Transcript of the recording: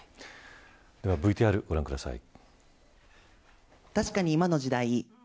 ではＶＴＲご覧ください。